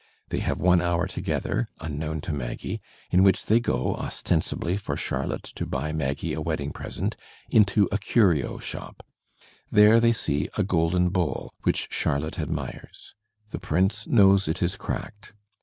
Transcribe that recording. They have one hour together, unknown to Maggie, in which they go, ostensibly for Charlotte to buy Maggie a wedding present, into a curio shop. They see there a golden bowl, which Charlotte admires. The Prince knows it is cracked.